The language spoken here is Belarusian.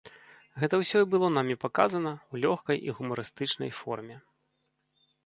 Гэта ўсё і было намі паказана ў лёгкай і гумарыстычнай форме.